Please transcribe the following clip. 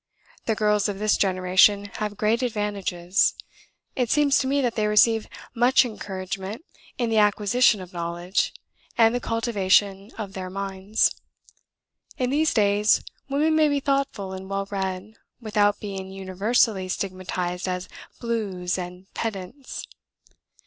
The girls of this generation have great advantages; it seems to me that they receive much encouragement in the acquisition of knowledge, and the cultivation of their minds; in these days, women may be thoughtful and well read, without being universally stigmatised as 'Blues' and 'Pedants.'